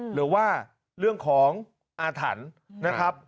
หรือว่าเรื่องของอาถรรพ์